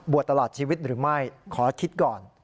ตลอดชีวิตหรือไม่ขอคิดก่อน